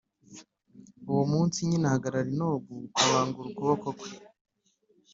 Uwo munsi nyine ahagarara i Nobu, abangura ukuboko kwe,